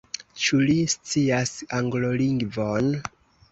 Ĉu li scias Anglolingvon?